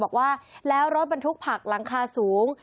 บอกว่าแล้วรถบรรทุกผักหลังคาสูง